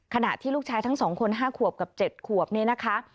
ขณะที่ลูกชายทั้งสองคนห้าขวบกับเจ็ดขวบนี่นะคะ